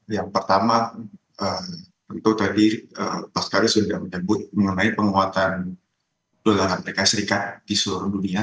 yang pertama tentu tadi pascari sudah menyebut mengenai penguatan dolar amerika serikat di seluruh dunia